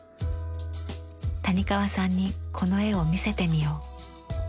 谷川さんにこの絵を見せてみよう。